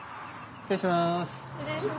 失礼します。